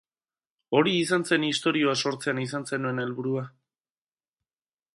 Hori izan zen istorioa sortzean izan zenuen helburua?